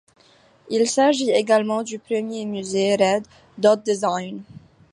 Il s’agit également du premier musée Red Dot Design.